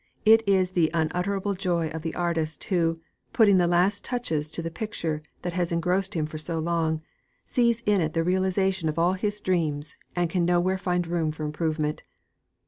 It is the unutterable joy of the artist who, putting the last touches to the picture that has engrossed him for so long, sees in it the realization of all his dreams and can nowhere find room for improvement.